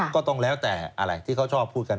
ก็แล้วแต่อะไรที่เขาชอบพูดกัน